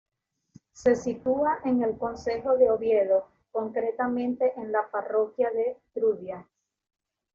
Se sitúa en el concejo de Oviedo, concretamente en la parroquia de Trubia.